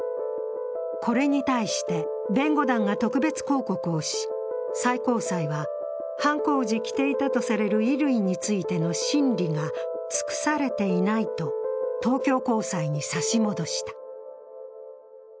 これに対して弁護団が特別抗告をし、最高裁は、犯行時着ていたとされる衣類についての審理が尽くされていないと東京高裁に差し戻した。